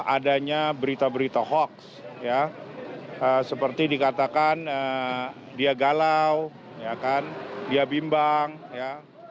adanya berita berita hoax ya seperti dikatakan dia galau ya kan dia bimbang ya